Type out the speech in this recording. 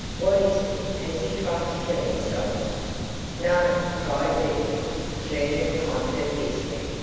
"What is it; has he tried to kill himself?" "No," cried Lydia, turning upon her fiercely.